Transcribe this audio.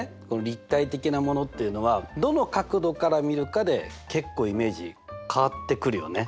立体的なものっていうのはどの角度から見るかで結構イメージ変わってくるよね。